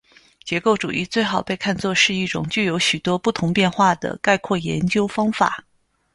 结构主义最好被看作是一种具有许多不同变化的概括研究方法。